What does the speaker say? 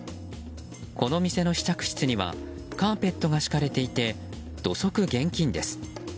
この店の試着室にはカーペットが敷かれていて土足厳禁です。